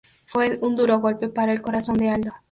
Fue un duro golpe para el corazón de Aldo.